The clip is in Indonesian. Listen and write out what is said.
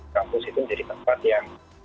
kampus itu menjadi tempat yang